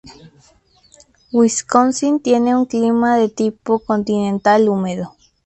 Wisconsin tiene un clima de tipo continental húmedo.